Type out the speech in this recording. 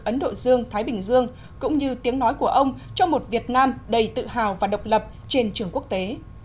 ấn độ dương thái bình dương cũng như tiếng nói của ông cho một việt nam đầy tự hào và độc lập trên trường quốc tế